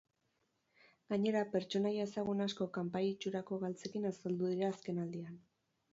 Gainera, pertsonaia ezagun asko kanpai itxurako galtzekin azaldu dira azkenaldian.